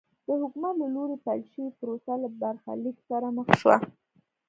د حکومت له لوري پیل شوې پروسه له برخلیک سره مخ شوه.